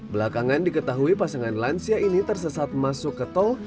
belakangan diketahui pasangan lansia ini tersesat masuk ke tol